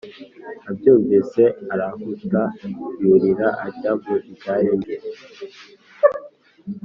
abyumvise arahuta yurira ajya mu igare rye